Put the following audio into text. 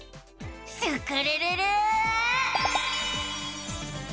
スクるるる！